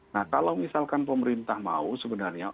nah kalau misalkan pemerintah mau sebenarnya